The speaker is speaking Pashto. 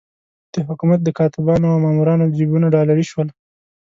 د حکومت د کاتبانو او مامورانو جېبونه ډالري شول.